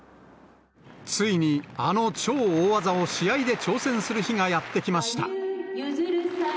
ついに、あの超大技を試合で挑戦する日がやって来ました。